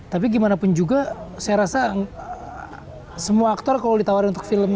tapi gimana pun juga saya rasa semua aktor kalau ditawarin untuk film